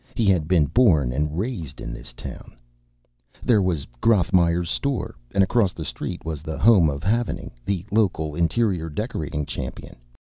He had been born and raised in this town. There was Grothmeir's store, and across the street was the home of Havening, the local interior decorating champion.